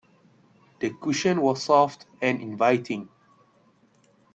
The cushion was soft and inviting.